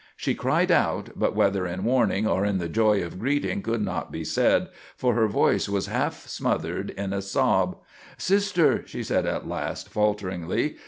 She cried out, but whether in warning or in the joy of greeting could not be said, for her voice was half smothered in a sob. "Sister!" she said at last falteringly.